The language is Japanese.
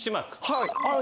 はい。